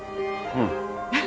うん。